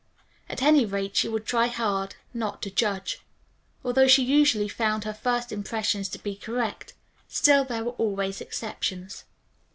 At any rate she would try hard not to judge. Although she usually found her first impressions to be correct, still there were always exceptions.